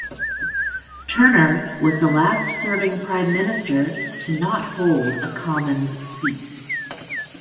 Turner was the last serving prime minister to not hold a commons seat.